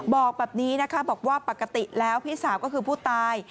บอกแบบนี้นะคะบอกว่าปกติแล้วพี่สาวก็คือผู้ตาย